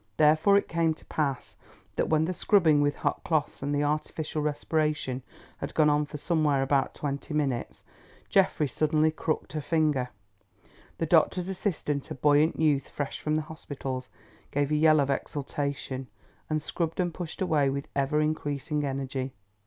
Therefore it came to pass that when the scrubbing with hot cloths and the artificial respiration had gone on for somewhere about twenty minutes, Geoffrey suddenly crooked a finger. The doctor's assistant, a buoyant youth fresh from the hospitals, gave a yell of exultation, and scrubbed and pushed away with ever increasing energy.